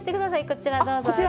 こちらどうぞ。